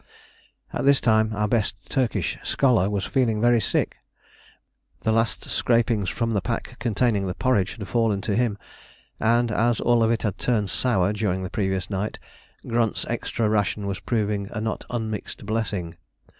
At this time our best Turkish scholar was feeling very sick. The last scrapings from the pack containing the porridge had fallen to him, and as all of it had turned sour during the previous night, Grunt's extra ration was proving a not unmixed blessing.